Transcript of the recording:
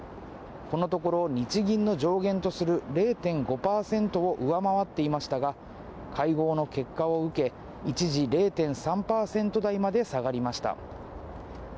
このところ、日銀の上限とする０．５％を上回っていましたが、会合の結果を受け、一時０．３％台まで下がりました。